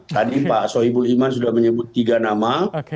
tadi pak sohibul iman sudah menyebut tiga nama